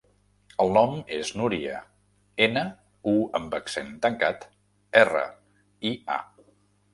El nom és Núria: ena, u amb accent tancat, erra, i, a.